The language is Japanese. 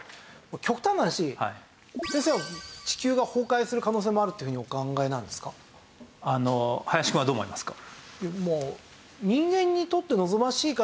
極端な話先生は地球が崩壊する可能性もあるというふうにお考えなんですか？と思っていますけど。